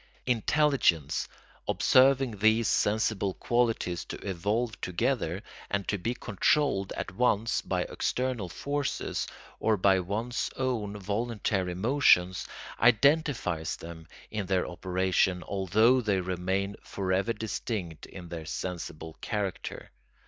Intelligence, observing these sensible qualities to evolve together, and to be controlled at once by external forces, or by one's own voluntary motions, identifies them in their operation although they remain for ever distinct in their sensible character.